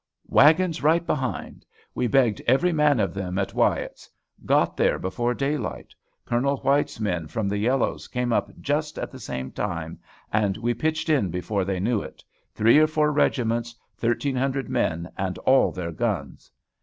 "Wagons right behind. We bagged every man of them at Wyatt's. Got there before daylight. Colonel White's men from the Yellows came up just at the same time, and we pitched in before they knew it, three or four regiments, thirteen hundred men, and all their guns."